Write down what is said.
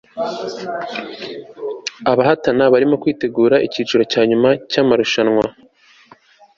abahatana barimo kwitegura icyiciro cya nyuma cyamarushanwa